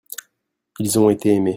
ils ont été aimé.